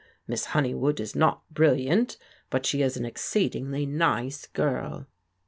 Miss Honeywood is not brilliant, but she is an exceedingly nice girl."